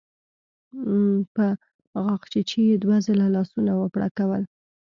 په غاښچيچي يې دوه ځله لاسونه وپړکول.